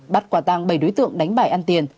bắt quả tăng bảy đối tượng đánh bài ăn tiền